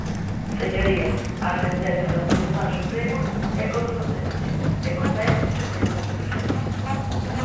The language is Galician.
Señorías, a sentenza do Tribunal Supremo é contundente e convén que a teñamos presente.